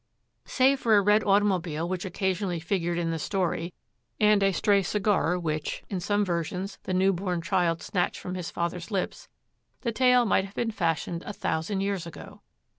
Save for a red automobile which occasionally figured in the story, and a stray cigar which, in some versions, the newborn child snatched from his father's lips, the tale might have been fashioned a thousand years ago.